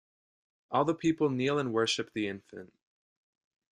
All the people kneel and worship the infant.